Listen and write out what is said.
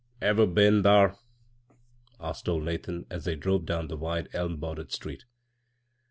" Ever been tfaar ?" asked old Nathan, as they drove down the wide, eim bordered street.